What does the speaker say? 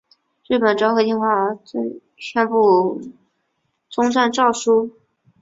日本昭和天皇宣布终战诏书。